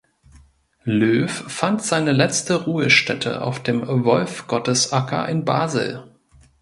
Löw fand seine letzte Ruhestätte auf dem Wolfgottesacker in Basel.